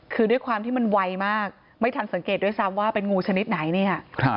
คือด้วยความที่มันไวมากไม่ทันสังเกตด้วยซ้ำว่าเป็นงูชนิดไหนเนี่ย